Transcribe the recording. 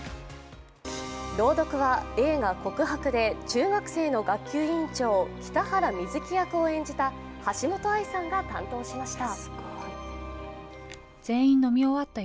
朗読は映画「告白」で中学生の学級委員長北原美月役を演じた橋本愛さんが担当しました。